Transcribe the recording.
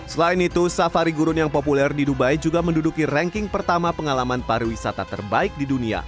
selain itu safari gurun yang populer di dubai juga menduduki ranking pertama pengalaman pariwisata terbaik di dunia